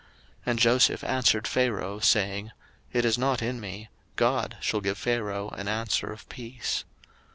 01:041:016 And Joseph answered Pharaoh, saying, It is not in me: God shall give Pharaoh an answer of peace.